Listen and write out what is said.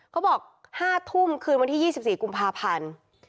เขาบอก๕ทุ่มคืนวันที่๒๔กุมภาพันธ์